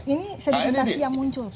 ini sedimentasi yang muncul pak